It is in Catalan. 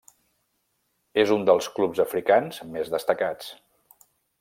És un dels clubs africans més destacats.